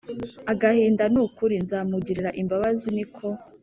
agahinda Ni ukuri nzamugirira imbabazi Ni ko